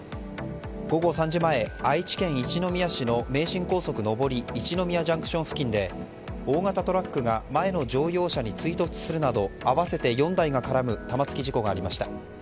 午後３時前、愛知県一宮市の名神高速上り一宮ＪＣＴ付近で大型トラックが前の乗用車に追突するなど合わせて４台が絡む玉突き事故がありました。